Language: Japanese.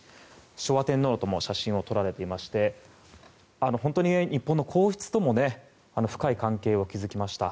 昭和天皇とも写真を撮られていまして本当に日本の皇室とも深い関係を築きました。